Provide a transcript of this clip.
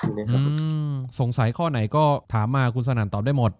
ผมสงสัยข้อไหนก็ถามมาคุณสนั่นตอบได้หมด